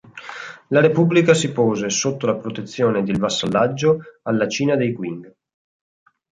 La repubblica si pose sotto la protezione ed il vassallaggio alla Cina dei Qing.